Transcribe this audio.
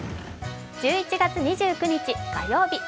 １１月２９日火曜日